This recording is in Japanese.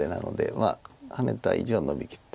まあハネた以上はノビきって。